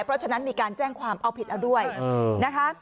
เพราะฉะนั้นมีการแจ้งความเอาผิดเอาด้วยนะคะ